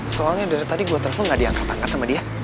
soalnya dari tadi gue telepon gak diangkat angkat sama dia